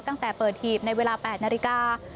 ตั้งแต่เปิดหีบในเวลา๘นาฬิกา